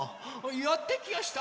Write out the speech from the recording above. やってきやした。